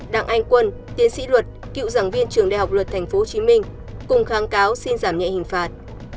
đặng anh quân tiến sĩ luật cựu giảng viên trường đại học luật tp hcm cùng kháng cáo xin giảm nhẹ hình phạt